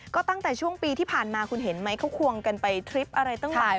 ก็ตั้งแต่ช่วงปีที่ผ่านมาคุณเห็นไหมเขาควงกันไปทริปอะไรตั้งหลาย